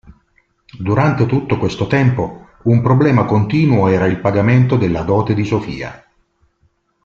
Durante tutto questo tempo, un problema continuo era il pagamento della dote di Sofia.